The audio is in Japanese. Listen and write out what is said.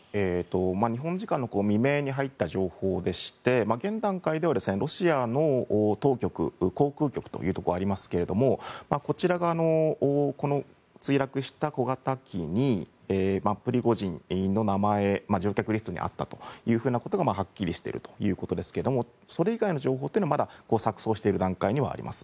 日本時間の未明に入った情報でして現段階ではロシアの当局航空局というのがありますがこちらが墜落した小型機にプリゴジン氏の名前が乗客リストにあったということははっきりしているということですがそれ以外の情報はまだ錯綜している段階にあります。